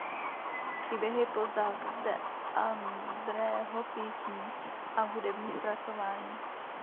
Příběhy postav z De Andrého písní a hudební zpracování.